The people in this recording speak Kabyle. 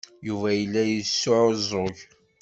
Yuba yella yesɛuẓẓug.